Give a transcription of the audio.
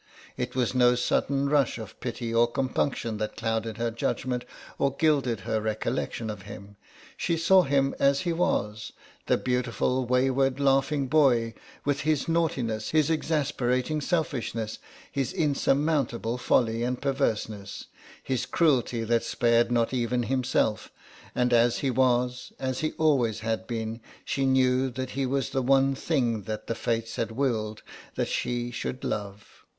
It was no sudden rush of pity or compunction that clouded her judgment or gilded her recollection of him; she saw him as he was, the beautiful, wayward, laughing boy, with his naughtiness, his exasperating selfishness, his insurmountable folly and perverseness, his cruelty that spared not even himself, and as he was, as he always had been, she knew that he was the one thing that the Fates had willed that she should love.